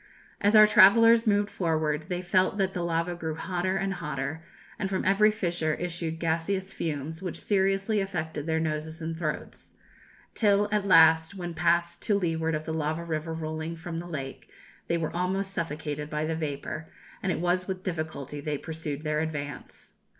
As our travellers moved forward, they felt that the lava grew hotter and hotter, and from every fissure issued gaseous fumes, which seriously affected their noses and throats; till, at last, when passed to leeward of the lava river rolling from the lake, they were almost suffocated by the vapour, and it was with difficulty they pursued their advance.